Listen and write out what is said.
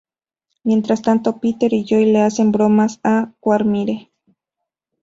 Mientras tanto, Peter y Joe le hacen bromas a Quagmire.